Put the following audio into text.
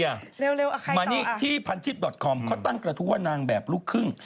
อเรนนี่ที่พันทิบคอมเขาตั้งกระทั่วว่านางแบบลูกขึ้ง